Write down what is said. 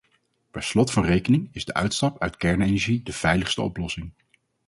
Per slot van rekening is de uitstap uit kernenergie de veiligste oplossing.